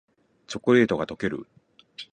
チョコレートがとける